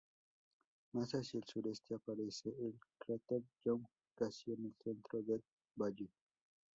Más hacia el sureste aparece el cráter Young, casi en el centro del valle.